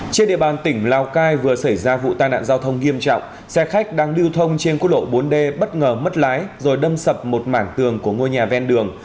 trên địa bàn tỉnh lào cai vừa xảy ra vụ tai nạn giao thông nghiêm trọng xe khách đang lưu thông trên quốc lộ bốn d bất ngờ mất lái rồi đâm sập một mảng tường của ngôi nhà ven đường